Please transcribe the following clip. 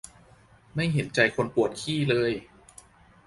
ไม่เห็นใจคนปวดขี้เลย